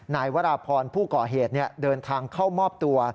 นายวาราพรผู้เกาะเหตุเนี่ยเดินทางเข้ามอบตัว